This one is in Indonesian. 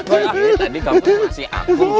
tadi kamu masih aku